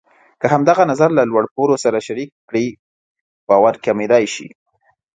که همدغه نظر له لوړ پوړو سره شریک کړئ، باور کمېدای شي.